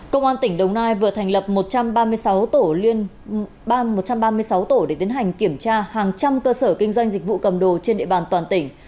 công an tỉnh đồng nai vừa thành lập một trăm ba mươi sáu tổ để tiến hành kiểm tra hàng trăm cơ sở kinh doanh dịch vụ cầm đồ trên địa bàn toàn tỉnh